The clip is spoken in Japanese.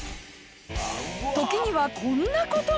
時にはこんな事も。